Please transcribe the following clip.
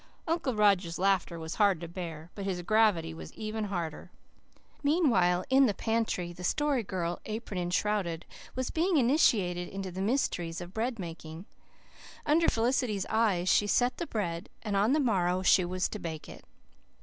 Uncle Roger's laughter was hard to bear, but his gravity was harder. Meanwhile, in the pantry the Story Girl, apron enshrouded, was being initiated into the mysteries of bread making. Under Felicity's eyes she set the bread, and on the morrow she was to bake it.